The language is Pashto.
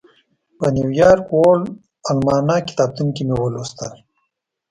په نیویارک ورلډ الماناک کتابتون کې مې ولوستل.